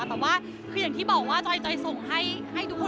แต่ว่าคืออย่างที่บอกว่าจอยส่งให้ทุกคน